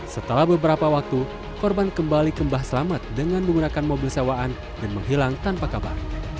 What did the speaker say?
setelah beberapa waktu korban kembali kembah selamat dengan menggunakan mobil sewaan dan menghilang tanpa kabar